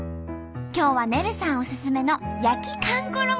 今日はねるさんおすすめの焼きかんころ